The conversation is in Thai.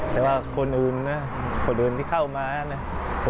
แต่ว่าคนอื่นนะครับคนอื่นที่เข้ามานะครับ